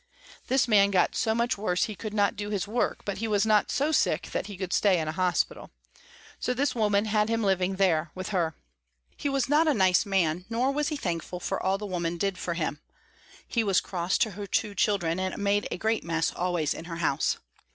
This man got so much worse he could not do his work, but he was not so sick that he could stay in a hospital. So this woman had him living there with her. He was not a nice man, nor was he thankful for all the woman did for him. He was cross to her two children and made a great mess always in her house.